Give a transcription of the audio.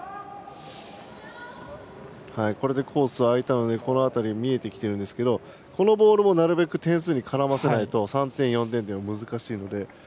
これでコースは空いたので見えてきてるんですがこのボールをなるべく点数に絡ませないと３点、４点と難しいので。